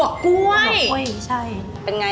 ย่อกกล้วยปั๊โยใช่